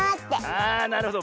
ああなるほど。